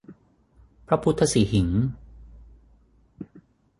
พระพุทธสิหิงค์